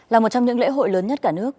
là một trong những lễ hội lớn nhất cả nước